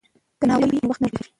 که ناول وي نو وخت نه اوږدیږي.